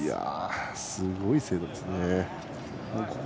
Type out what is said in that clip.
すごい精度です。